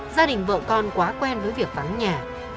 gia đình vợ con quá quen với việc vắng nhà